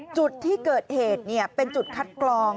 จุดที่เกิดเหตุเป็นจุดคัดกรอง